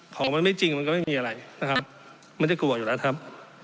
ของมันไม่จริงมันก็ไม่มีอะไรนะครับไม่ได้กลัวอยู่แล้วครับ